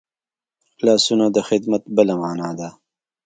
لاسونه د خدمت بله مانا ده